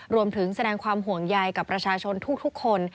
รวมถึงแสดงความห่วงใยกับประชาชนทุกคน